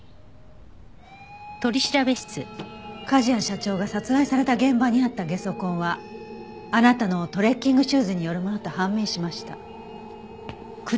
梶谷社長が殺害された現場にあったゲソ痕はあなたのトレッキングシューズによるものと判明しました。